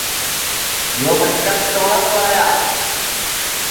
یو مٹکا کِتوڑاس لایا